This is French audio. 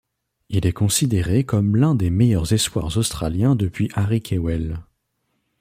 Il est considéré comme l'un des meilleurs espoirs australien depuis Harry Kewell.